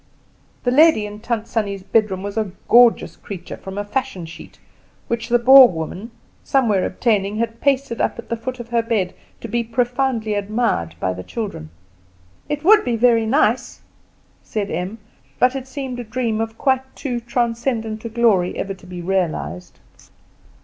The lady in Tant Sannie's bedroom was a gorgeous creature from a fashion sheet, which the Boer woman, somewhere obtaining, had pasted up at the foot of her bed, to be profoundly admired by the children. "It would be very nice," said Em; but it seemed a dream of quite too transcendent a glory ever to be realized.